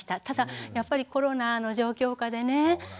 ただやっぱりコロナの状況下でね